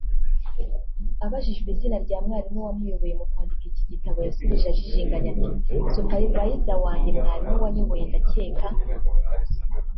Abajijwe izina rya mwarimu wamuyoboye mu kwandika iki gitabo yasubije ajijinganya ati “Supervisor wanjye [mwarimu wanyoboye] ndakeka…”